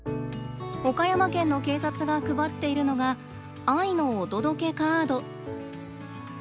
岡山県の警察が配っているのが「愛のお届けカード」。